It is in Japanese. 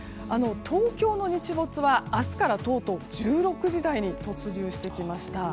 東京の日没は明日からとうとう１６時台に突入してきました。